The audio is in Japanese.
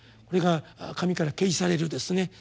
これが神から啓示されるですね